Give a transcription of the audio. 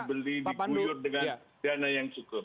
bisa dibeli dibuyur dengan dana yang cukup